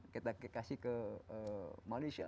kita kasih ke malaysia